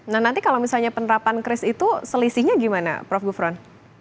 nah nanti kalau misalnya penerapan kris itu selisihnya gimana prof gufron